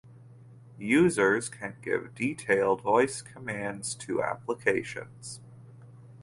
Users can give detailed voice commands to applications.